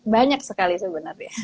banyak sekali sebenarnya